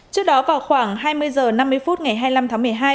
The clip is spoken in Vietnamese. trước đó vào khoảng hai mươi giờ năm mươi phút ngày hai mươi tám tháng một mươi hai